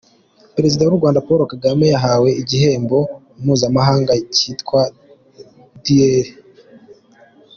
Perezida w’ u Rwanda Paul Kagame yahawe igihembo mpuzamahanga kitwa “Dr.